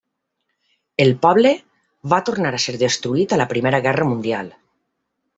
El poble va tornar a ser destruït a la Primera Guerra Mundial.